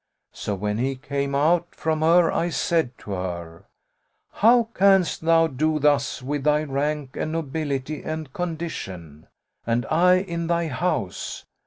So, when he came out from her, I said to her, How canst thou do thus with thy rank and nobility and condition, and I in thy house?'